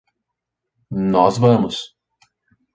Nós vamos.